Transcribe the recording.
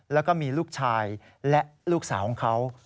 แล้วก็มีลูกชายและลูกสาวของเขา